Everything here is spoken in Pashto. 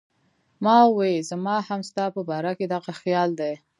ما وې زما هم ستا پۀ باره کښې دغه خيال دی